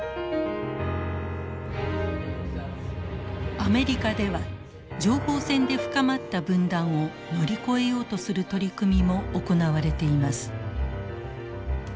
アメリカでは情報戦で深まった分断を乗り越えようとする取り組みも行われています。